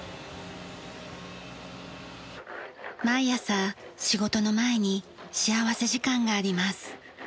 毎朝仕事の前に幸福時間があります。